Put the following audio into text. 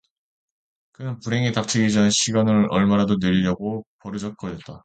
그는 불행에 닥치기 전 시간을 얼마라도 늘이려고 버르적거렸다.